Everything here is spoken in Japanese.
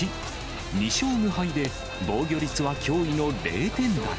２勝無敗で防御率は驚異の０点台。